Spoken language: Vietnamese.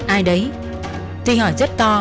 ai đấy tuy hỏi rất to